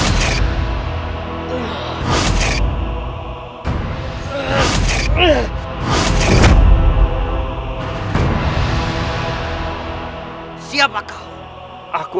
nama rachel itu pembantumu